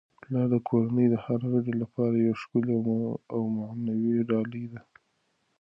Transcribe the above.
پلار د کورنی د هر غړي لپاره یو ښکلی او معنوي ډالۍ ده.